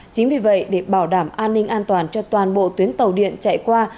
chính vì vậy để bảo đảm an ninh an toàn cho toàn bộ tuyến tàu điện chạy qua